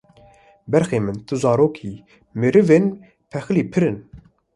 Berxê min tu zarokî, merivên pexîlî pirin